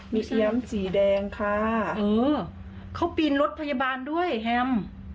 มีเซียมสีแดงค่ะเออเขาปีนรถพยาบาลด้วยแฮม